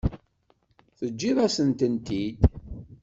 Teǧǧiḍ-asen-tent-id.